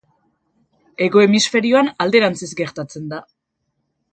Hego hemisferioan alderantziz gertatzen da.